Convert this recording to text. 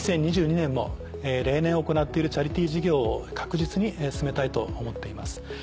２０２２年も例年行っているチャリティー事業を確実に進めたいと思っています。